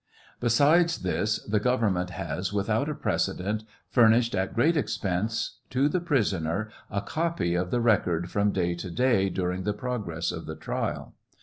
Besides this the government has, without a precedent, furnished, at great expense, to the prisoner a copy of the record from day to day during the progress of the trial.